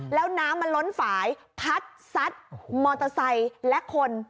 แล้วน้ำมันล้นฝ่ายพัดซัดมอเตอร์ไซค์และคน